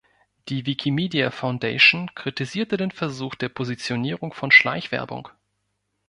Die Wikimedia Foundation kritisierte den Versuch der Positionierung von Schleichwerbung.